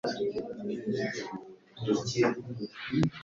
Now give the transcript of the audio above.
ugirwa inama yo kwihutira kujya ku butaka